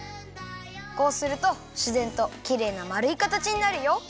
こうするとしぜんときれいなまるいかたちになるよ。